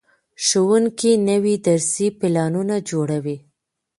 ښوونکي نوي درسي پلانونه جوړوي.